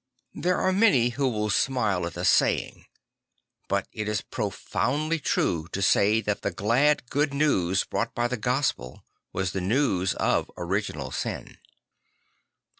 There are many who will smile at the saying; but it is profoundly true to say that the glad good news brought by the Gospel was the news of original sin.